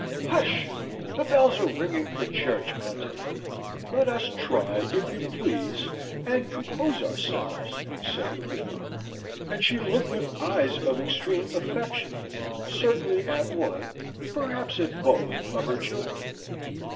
"Hush! the bells are ringing for church, Mountain. Let us try, if you please, and compose ourselves," said the widow, and she looked with eyes of extreme affection, certainly at one perhap at both of her children.